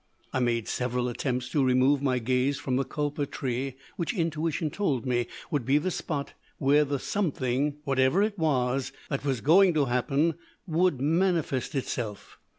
"I made several attempts to remove my gaze from the kulpa tree, which intuition told me would be the spot where the something, whatever it was, that was going to happen would manifest itself.